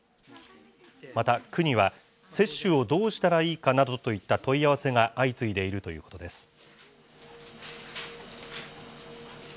また区には、接種をどうしたらいいかなどといった問い合わせが相次いでいるということです。